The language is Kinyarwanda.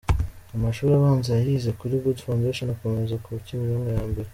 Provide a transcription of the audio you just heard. Amashuri abanza yayize kuri Good Foundation akomereza kuri Kimironko ya Mbere.